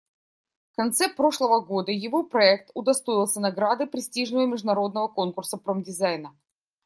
В конце прошлого года его проект удостоился награды престижного международного конкурса промдизайна.